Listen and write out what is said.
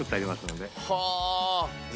はあ！